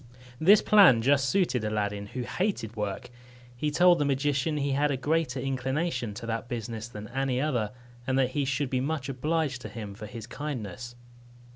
This plan just suited Aladdin, who hated work. He told the magician he had a greater inclination to that business than to any other, and that he should be much obliged to him for his kindness.